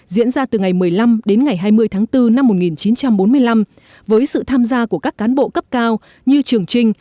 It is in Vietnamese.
diễn ra từ ngày một mươi năm đến ngày hai mươi tháng bốn năm một nghìn chín trăm bốn mươi năm với sự tham gia của các cán bộ cấp cao như trường trinh